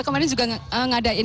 kemarin juga ngadain